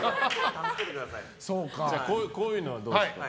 こういうのはどうでしょうか。